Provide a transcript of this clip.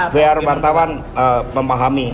biar wartawan memahami